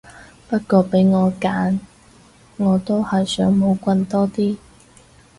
不過俾我揀我都係想冇棍多啲